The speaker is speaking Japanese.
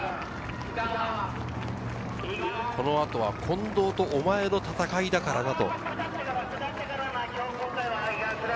この後は近藤とお前の戦いだからなと。